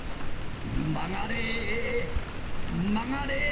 曲がれ曲がれ。